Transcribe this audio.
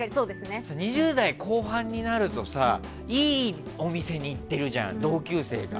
２０代後半になるとさいいお店に行ってるじゃん同級生が。